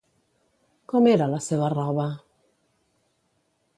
Com era la seva roba?